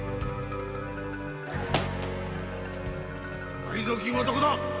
〔埋蔵金はどこだ？